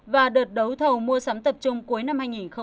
và đợt đấu thầu mua sắm tập trung cuối năm hai nghìn hai mươi